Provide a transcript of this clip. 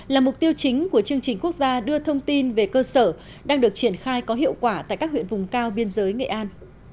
là mục tiêu chính của chương trình quốc gia đưa thông tin về cơ sở đang được triển khai có hiệu quả tại các huyện vùng cao biên giới nghệ an